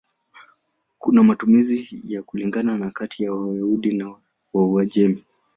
Kuna matumizi ya kulingana kati ya Wayahudi wa Uajemi.